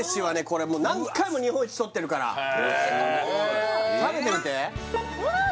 これもう何回も日本一とってるから食べてみてわあ